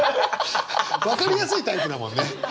分かりやすいタイプだもんね！